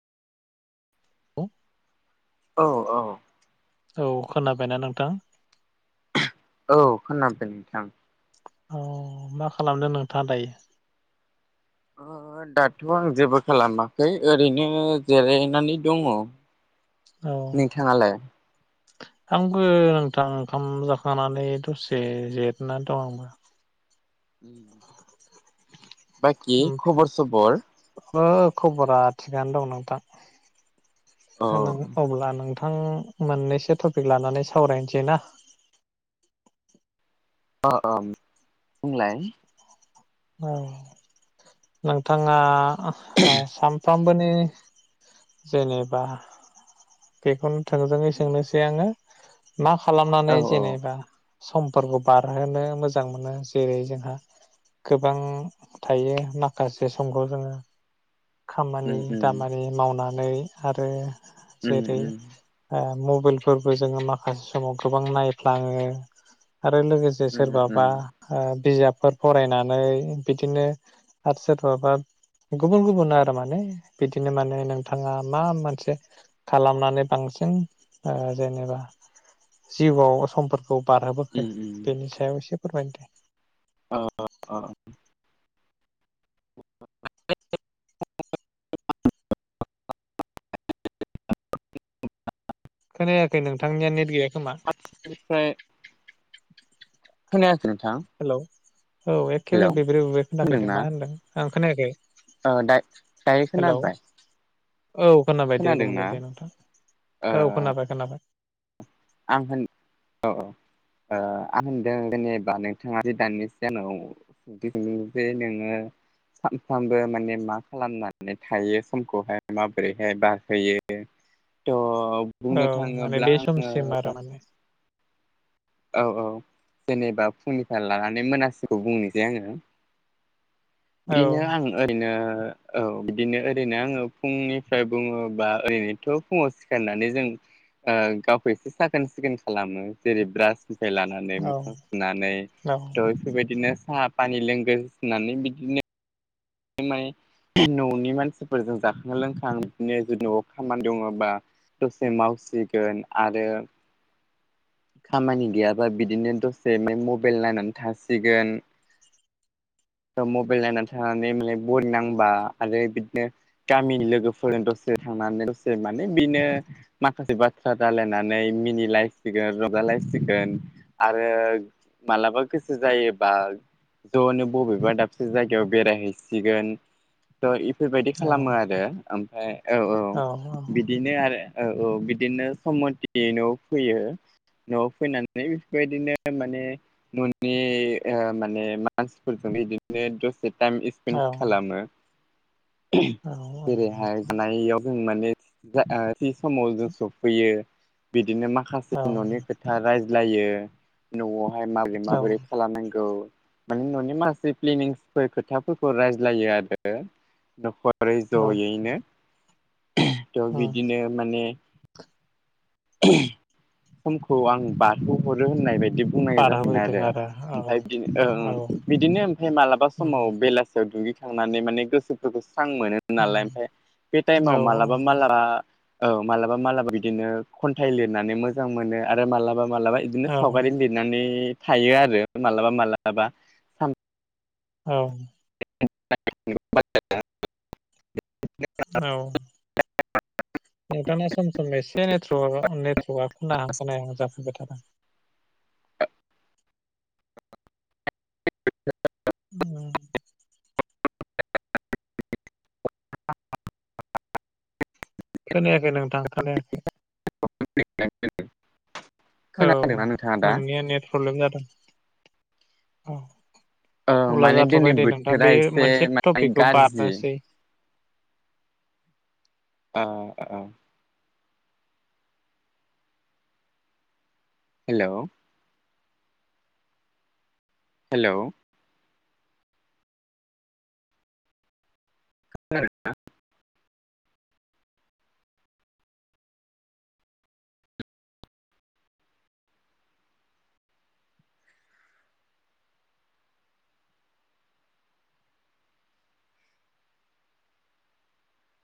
औ औ औ औ खोनाबायना नोंथां औ खोनादों नोंथां। औ मा खालामदों नोंथाङा दायो? ओ दाथ आं जेबो खालामाखै ओरैनो जिरायनानै दङ। औ नोंथाङालाय आंबो नोंथां ओंखाम जाखांनानै दसे जिरनानै दं आंबो उम बाखि खबर सबर आंनाबो खबरा थिगानो दं नोंथां। अ [unintelligible] अब्ला नोंथ आं मोननैसो टपिक लानानै सावरायनोसै ना अ अ बुंलाय औ नोंथाङा स [unintelligible] फ्रामबोनि जेनेबा बेखौ। थोंजोङै सोंनोसै आङो। मा औ खालामनानै औ जेनेबा। समफोरखौ बारहोनो मोजां मोनो जेरै जोंहा गोबां थायो माखासे समखौ जोङो। उम खामानि उम दामानि मावना नै आरो उम जेरै उम ओ मबाइलफोरबो जोङो माखासे समाव गोबां नायफ्लाङो। आरो लोगोसे उम सोरबाबा उम ओ बिजाब। फोर फरायनानै बिदिनो आरो सोरबाबा गुबुन गुबुन आरो माने बिदिनो माने नोंथाङा मा मोनसे? खालामनानै बांसिन ओ जेनेबा जिउआव समफोर खौ बारहोबोखो उम उम बेनि सायाव एसे फोरमाय। अ अ। [unintelligible] खोनायाखै नोंथांनिया नेट गैया। खोमा [unintelligible] खोनाया हेलौ। औ हेलौ एखेबारे बेब्रे बुब्रे खोनाफैदों खोनादोंना मा होनदों? ओं खोनायाखै? ओ दा-दायो हेलौ खोनाबाय? औ खोनाबाय दे बुंदो खोनादोंना दे नोंथां ओ औ खोनाबाय खोनाबाय। आं होन औ औ ओ आं होनदों जेनेबा नोंथाङा जि दानि सिगानाव सोंदों जे नोङो सानफ्रामबो माने मा खालामनानै थायो समखौहाय माबोरैहाय बारहोयो थ औ बुंनो थाङोब्ला आं [unintelligible] औ औ जेनेबा फुंनिफ्राय लानानै मोनासिखौ बुंनोसै आङो। औ बिदिनो आं ओरैनो औ बिदिनो ओरैनो आङो फुंनिफ्राय बुङोबा ओरैनोथ फुङाव सिखारनानै जों ओ गावखौ एसे साखोन सिखोन खालामो जेरै ब्रास निफ्राय लानानै मोखां सुनानै औ थ बेफोरबायदिनो साहा पानि लोंग्रोनानै बिदिनो [unintelligible] ननि मानसिफोरजों जाखां लोंखां बिदिनो नआव खामानि दङबा दसे मावसिगोन आरो खामानि गैयाबा बिदिनो दसे मबाइल नायनानै थासिगोन मबाइल नायनानै था [unintelligible] बरिनांबा आरो बिदिनो गामिनि लोगोफोरजों दसे थांनानै दसे माने बिनो माखासे बाथ्रा रायलायनानै मिनिलायसिगोन रंजालायसिगोन आरो मालाबा गोसो जायोबा जनो बबेबा दाबसे जायगायाव बेरायहै सिगोन थ बेफोरबायदि औ खालामो आरो ओमफ्राय औ औ बिदिनो आरो। औ औ बिदिनो सम मति न'आव फैयो न'आव फैनानै बेफोरबायदिनो माने न'नि ओ माने मानसिफोरजों बिदिनो दसे टाइम औ खालामो। औ जेरै नोंथां हानायाव जों माने दा ओ थि समाव जों सफैयो बि। बिदिनो माखासे औ ननि खोथा राय। लायो न'आव। ओमफ्राय माबोरै औ माबोरै खालामनांगौ। माने न'नि माखासे प्लेनिंसफोर खोथा। खौ रायज्लायो आरो न'खर। ओरै औ जयैनो। थ उम बिदिनो माने। समखौ आं बारहोहरो होननाय बायदि। बिदि बुंनायांग जासिनो बारहोफैदों आरो औ ओमफ्राय बि औ ओं बिदिनो ओमफ्राय मालाबा उम समाव बेलासियाव दुगैखायो। थांनानै माने गोसोफोरखौ। मोजां मोनो नालाय ओमफ्राय उम बे औ टाइमाव मालाबा मालाबा। औ मालाबा मालाबा बिदिनो। खन्थाइ लिरनानै मोजां मोनो आरो मालाबा। मालाबा इदिनो औ सावगारि लिरनानै। थायो आरो मालाबा मालाबा सान औ। [unintelligible] औ। नोंथांना सम सम एसे नेटवर्क नेटवर्कआ खोनाहां खोनायाहां जाफैबाय थादों। [unintelligible] खोनायाखै नोंथां खोनायाखै। [unintelligible] औ खोनादोंना नोंथाङा दा नोंनिया नेट प्रब्लेम जादों। औ। ओं अब्ला माने दिनै जाथबाय दे नोंथां बोथोरा बे एसे मोनसे माने टपिकखौ गाज्रि बारनोसै। अ औ। हेलौ। हेलौ। खोनादों ना।